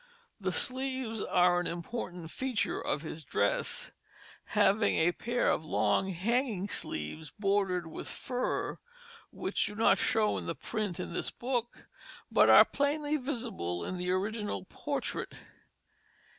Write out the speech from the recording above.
The sleeves are an important feature of his dress, having a pair of long hanging sleeves bordered with fur, which do not show in the print in this book, but are plainly visible in the original portrait.